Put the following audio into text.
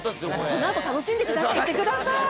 このあと楽しんでください。